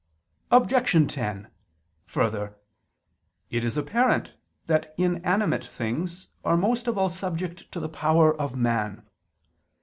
Objection 10: Further, it is apparent that inanimate things are most of all subject to the power of man.